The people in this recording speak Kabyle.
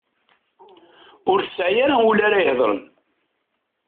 Ur tesɛi ara ul ara ihedren.